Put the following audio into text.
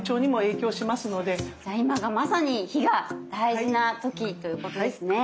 じゃあ今がまさに脾が大事なときということですね。